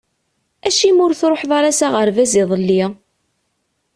Acimi ur truḥeḍ ara s aɣerbaz iḍelli?